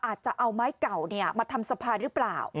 อาจจะเอาไม้เก่ามาทำสะพานหรือเปล่า